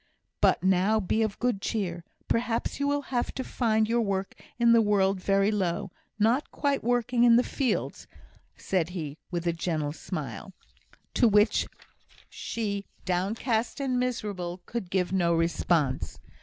But now be of good cheer. Perhaps you will have to find your work in the world very low not quite working in the fields," said he, with a gentle smile, to which she, downcast and miserable, could give no response.